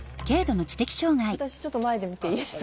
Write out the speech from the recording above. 私ちょっと前で見ていいですか？